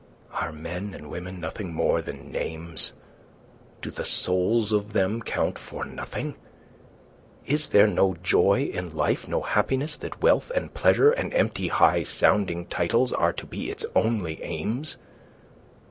"Are men and women nothing more than names? Do the souls of them count for nothing? Is there no joy in life, no happiness, that wealth and pleasure and empty, high sounding titles are to be its only aims?